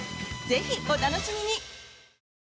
ぜひお楽しみに！